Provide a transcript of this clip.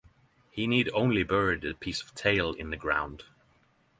He need only bury the piece of tail in the ground.